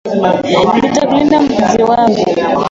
Ntakulinda mpenzi wangu.